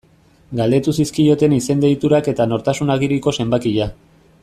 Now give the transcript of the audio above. Galdetu zizkioten izen-deiturak eta nortasun agiriko zenbakia.